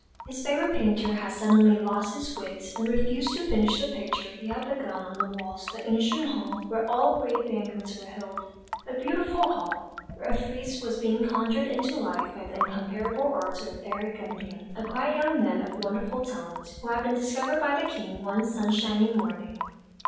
His favourite painter had suddenly lost his wits and refused to finish the picture he had begun on the walls of the ancient hall where all the great banquets were held a beautiful hall, where a frieze was being conjured into life by the incomparable art of Eric Gundian, a quite young man of wonderful talent, who had been discovered by the King one sunshiny morning.